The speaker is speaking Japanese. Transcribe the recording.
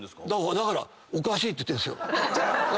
だからおかしいって言ってるんですよ。